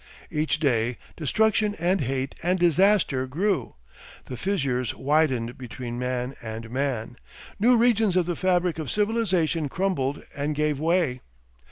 Each day destruction and hate and disaster grew, the fissures widened between man and man, new regions of the fabric of civilisation crumbled and gave way.